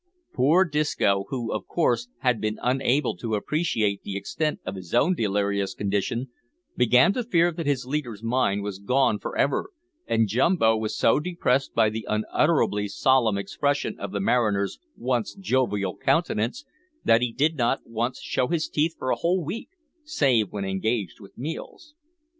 Poor Disco, who, of course, had been unable to appreciate the extent of his own delirious condition, began to fear that his leader's mind was gone for ever, and Jumbo was so depressed by the unutterably solemn expression of the mariner's once jovial countenance, that he did not once show his teeth for a whole week, save when engaged with meals.